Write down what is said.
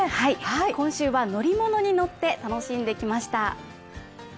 今週は乗り物に乗って楽しんできました。